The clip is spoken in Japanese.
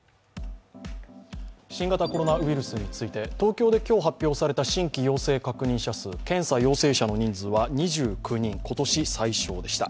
新型コロナウイルスについて、東京で今日発表された新規陽性確認者数、検査陽性者の人数は２９人、今年最少でした。